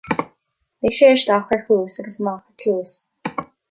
Lig sé isteach ar chluas agus amach ar chluas